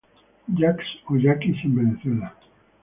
Jacks o yaquis en Venezuela.